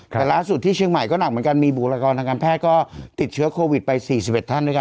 แต่ล่าสุดที่เชียงใหม่ก็หนักเหมือนกันมีบุคลากรทางการแพทย์ก็ติดเชื้อโควิดไป๔๑ท่านด้วยกัน